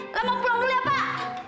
lembang pulang dulu ya pak